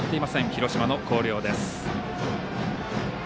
広島の広陵です。